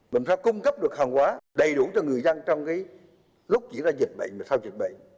mình sẽ cung cấp được hàng hóa đầy đủ cho người dân trong lúc diễn ra dịch bệnh và sau dịch bệnh